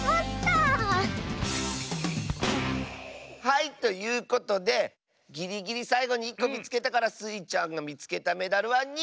はいということでぎりぎりさいごに１こみつけたからスイちゃんがみつけたメダルは２こでした！